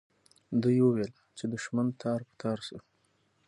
دوی وویل چې دښمن تار په تار سو.